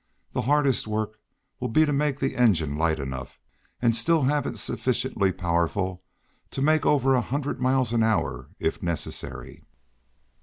The hardest work will be to make the engine light enough and still have it sufficiently powerful to make over a hundred miles an hour, if necessary.